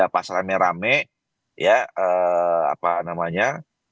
pas rame rame ya apa namanya